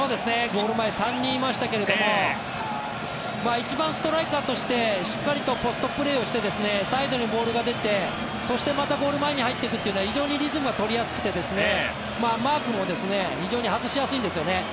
ゴール前３人いましたけれど一番ストライカーとしてしっかりポストプレーをしてサイドにボールが出てそしてまたゴール前に入っていくのは非常にリズムが取りやすくてマークも非常に外しやすいんですよね。